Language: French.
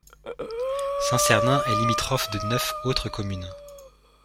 Saint-Cernin est limitrophe de neuf autres communes.